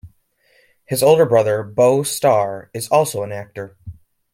His older brother Beau Starr is also an actor.